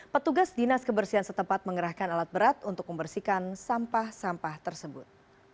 petugas dinas kebersihan setempat mengerahkan alat berat untuk membersihkan sampah sampah tersebut